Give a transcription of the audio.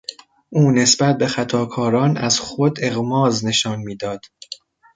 او نسبت به خطاکاران از خود اغماض نشان میداد.